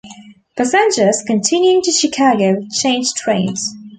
Passengers continuing to Chicago changed trains.